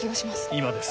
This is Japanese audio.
今です。